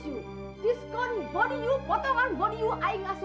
diskon badan kamu potongan badan kamu